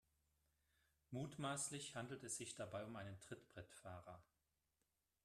Mutmaßlich handelt es sich dabei um einen Trittbrettfahrer.